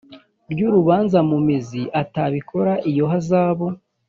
ry urubanza mu mizi atabikora iyo hazabu